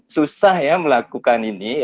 susah melakukan ini